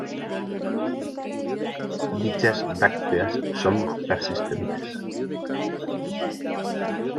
Dichas brácteas son persistentes.